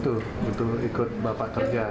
itu untuk ikut bapak kerja